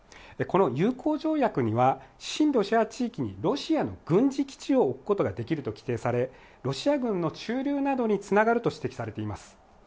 この友好条約には、親ロシア派地域にロシアの軍事基地を置くことができると規定され、ロシア軍の駐留などに繋がると指摘されています。